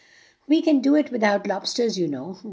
"We can do it without lob sters, you know.